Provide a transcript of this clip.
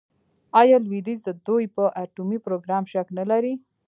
آیا لویدیځ د دوی په اټومي پروګرام شک نلري؟